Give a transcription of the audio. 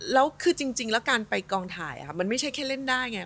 แล้วคือจริงแล้วการไปกองถ่ายมันไม่ใช่แค่เล่นได้ไง